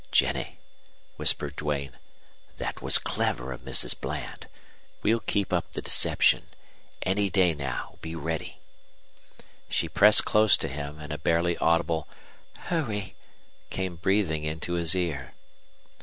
"Jennie," whispered Duane, "that was clever of Mrs. Bland. We'll keep up the deception. Any day now be ready!" She pressed close to him, and a barely audible "Hurry!" came breathing into his ear.